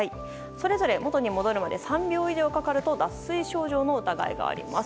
それぞれ元に戻るまで３秒以上かかると脱水症状の疑いがあります。